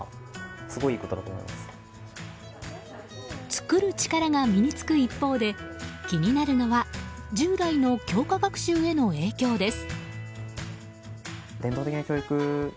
作る力が身に付く一方で気になるのは従来の教科学習への影響です。